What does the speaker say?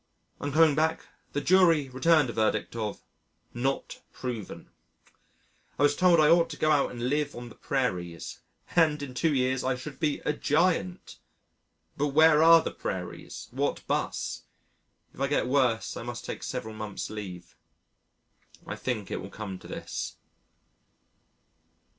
On coming back, the jury returned a verdict of "Not proven." I was told I ought to go out and live on the prairies and in two years I should be a giant! But where are the prairies? What 'bus? If I get worse, I must take several months' leave. I think it will come to this.